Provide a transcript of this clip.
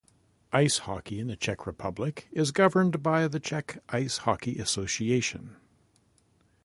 Ice hockey in the Czech Republic is governed by the Czech Ice Hockey Association.